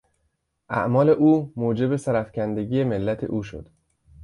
اعمال او موجب سرافکندگی ملت او شد.